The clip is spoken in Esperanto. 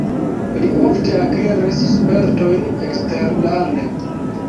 Li ofte akiris spertojn eksterlande.